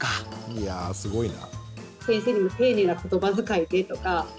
いやすごいな。